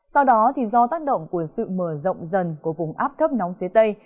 sau đó thì do tác động của sự mờ rộng dần của vùng áp thấp nóng phía tây